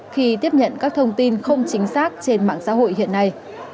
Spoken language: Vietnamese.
khi tiếp nhận các thông tin không chính xác trên mạng xã hội hiện nay